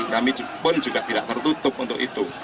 kami pun juga tidak tertutup untuk itu